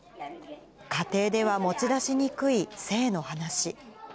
家庭では持ち出しにくい性の話。